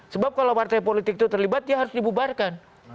sebab kalau partai politik itu terlibat ya harus dibubarkan